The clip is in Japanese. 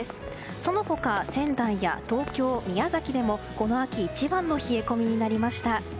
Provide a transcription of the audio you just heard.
その他、仙台や東京、宮崎でもこの秋一番の冷え込みになりました。